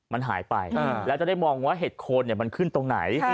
มันหายไปแล้วจะได้มองว่าเห็ดโคนมันขึ้นตรงไหน